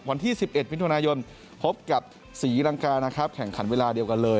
วันที่๑๑มิถุนายนพบกับศรีรังกานะครับแข่งขันเวลาเดียวกันเลย